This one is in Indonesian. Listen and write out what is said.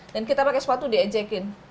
dan kita pakai sepatu diajekin